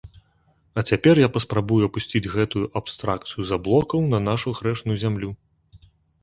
А цяпер я паспрабую апусціць гэтую абстракцыю з аблокаў на нашу грэшную зямлю.